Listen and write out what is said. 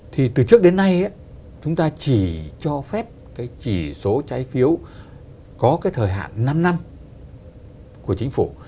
thì từ trước đến nay chúng ta chỉ cho phép cái chỉ số trái phiếu có cái thời hạn năm năm của chính phủ